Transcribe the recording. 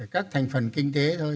các thành phần kinh tế thôi